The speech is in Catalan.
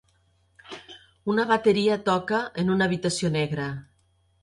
Un bateria toca en una habitació negra.